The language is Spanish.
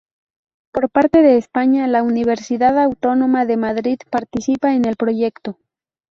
Por parte de España, la Universidad Autónoma de Madrid participa en el proyecto.